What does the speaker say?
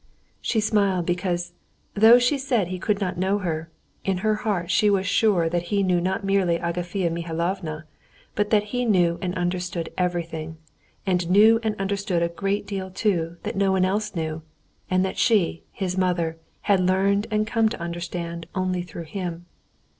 She smiled because, though she said he could not know her, in her heart she was sure that he knew not merely Agafea Mihalovna, but that he knew and understood everything, and knew and understood a great deal too that no one else knew, and that she, his mother, had learned and come to understand only through him.